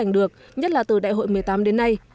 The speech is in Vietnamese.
được nhất là từ đại hội một mươi tám đến nay